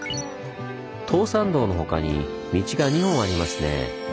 東山道の他に道が２本ありますね。